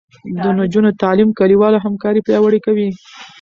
د نجونو تعلیم کلیواله همکاري پیاوړې کوي.